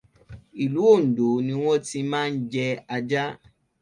Ìlú Òndó ni wón tí má jẹ ajá.